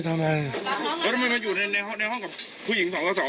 ทำอะไรครับอันนี้